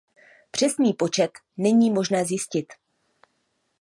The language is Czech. Přesný počet není možné zjistit.